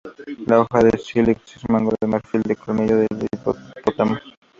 La hoja es de Sílex y el mango de marfil, de colmillo de hipopótamo.